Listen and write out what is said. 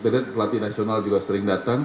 di sdn juga sering datang